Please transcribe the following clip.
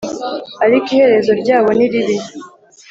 Ariko iherezo ryabo niribi